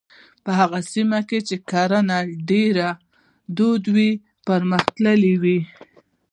په هغو سیمو کې کرنه ډېره دود وه او پرمختللې وه.